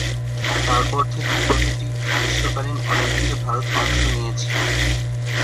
তারপর থেকে প্রতিটি গ্রীষ্মকালীন অলিম্পিকে ভারত অংশ নিয়েছে।